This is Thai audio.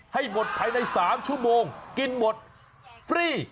ให้หมดภายใน๓ชั่วโมงกินหมดฟรี